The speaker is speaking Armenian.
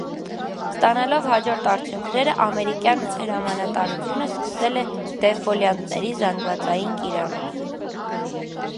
Ստանալով հաջող արդյունքները, ամերիկյան հրամանատարությունը սկսել է դեֆոլյանտների զանգվածային կիրառում։